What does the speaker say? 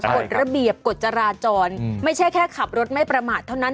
กฎระเบียบกฎจราจรไม่ใช่แค่ขับรถไม่ประมาทเท่านั้น